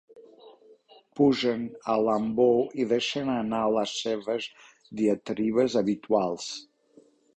Pugen a l'ambó i deixen anar les seves diatribes habituals.